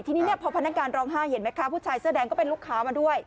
ทีนี้เนี่ยพอพนักงานร้องไห้เห็นไหมคะผู้ชายเสื้อแดงก็เป็นลูกค้ามาด้วย